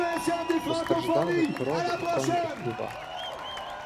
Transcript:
Постраждали корови і коні у хлівах.